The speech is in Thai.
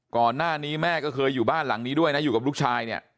ก่อนหน้านี้แม่ก็เคยอยู่บ้านหลังนี้ด้วยนะอยู่กับลูกชายเนี่ย